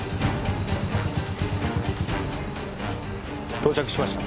到着しました。